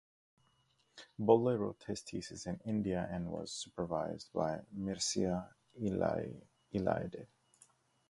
Bolle wrote his thesis in India and was supervised by Mircea Eliade.